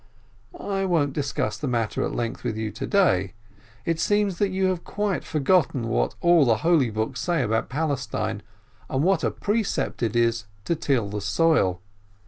I won't discuss the matter at length with you to day. It seems that you have quite forgotten what all the holy books say about Palestine, and what a precept it is to till the soil.